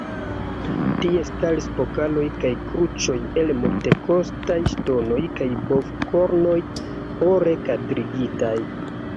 Tie staris pokaloj kaj kruĉoj el multekostaj ŝtonoj kaj bovkornoj, ore kadrigitaj.